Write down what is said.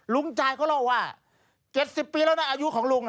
จ่ายเขาเล่าว่า๗๐ปีแล้วนะอายุของลุง